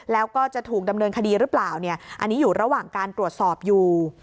แล้วก็จะถูกดำเนินคดีหรือเปล่าเนี่ยอันนี้อยู่ระหว่างการตรวจสอบอยู่